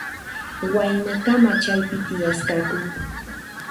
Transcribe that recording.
Waynakama chaypi tiyasqaku.